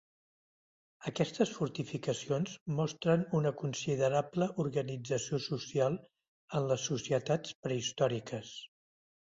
Aquestes fortificacions mostren una considerable organització social en les societats prehistòriques.